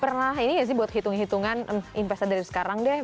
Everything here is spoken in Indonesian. pernah ini gak sih buat hitung hitungan investor dari sekarang deh